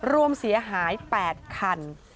รวมเสียหาย๘คัน